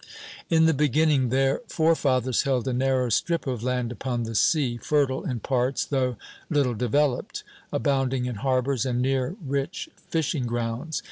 In the beginning, their forefathers held a narrow strip of land upon the sea, fertile in parts though little developed, abounding in harbors and near rich fishing grounds.